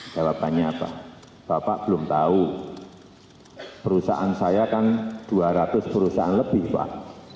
jawabannya apa bapak belum tahu perusahaan saya kan dua ratus perusahaan lebih pak